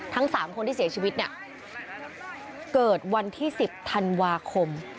ทั้ง๓คนที่เสียชีวิตเนี่ยเกิดวันที่๑๐ธันวาคม